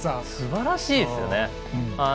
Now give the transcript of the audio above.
すばらしいですよね。